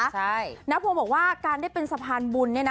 ใช่น้าพวงบอกว่าการได้เป็นสะพานบุญเนี่ยนะ